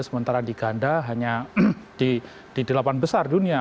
sementara di ganda hanya di delapan besar dunia